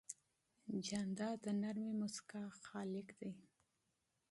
جانداد د نرمې موسکا خالق دی.